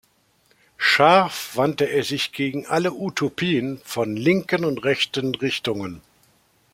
Scharf wandte er sich gegen alle Utopien von linken und rechten Richtungen.